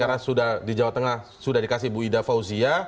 karena sudah di jawa tengah sudah dikasih bu ida fauzia